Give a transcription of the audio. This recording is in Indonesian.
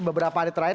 beberapa hari terakhir